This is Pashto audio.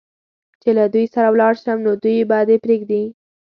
چې له دوی سره ولاړ شم، نو دوی به دې پرېږدي؟